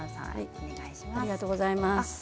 お願いします。